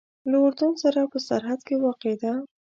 له اردن سره په سرحد کې واقع ده.